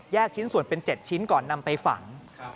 ชิ้นส่วนเป็น๗ชิ้นก่อนนำไปฝัง